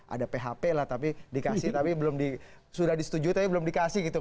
ada php lah tapi sudah disetujui tapi belum dikasih gitu